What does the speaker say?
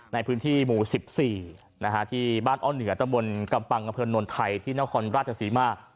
ในพื้นที่หมู่๑๔ที่บ้านอ้อเหนือตะบนกำปังอำเภอนวลไทยที่นครราชศรีมา